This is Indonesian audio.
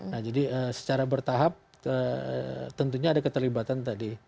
nah jadi secara bertahap tentunya ada keterlibatan tadi